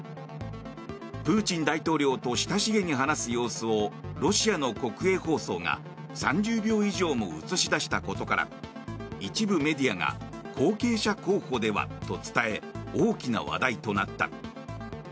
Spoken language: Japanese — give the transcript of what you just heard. プーチン大統領と親しげに話す様子をロシアの国営放送が３０秒以上も映し出したことから一部メディアが後継者候補ではと伝え大きな話題となった。